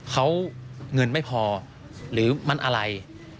เขาเงินไม่พอหรือมันอะไร